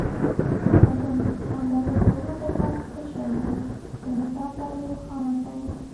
شپږم: د اندازه کولو دقت څه شی دی؟ له مثال سره یې روښانه کړئ.